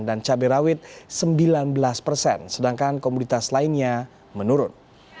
dan cabai rawit sembilan belas persen sedangkan komoditas lainnya menurun